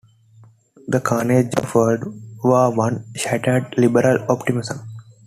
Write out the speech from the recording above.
The carnage of World War One shattered liberal optimism.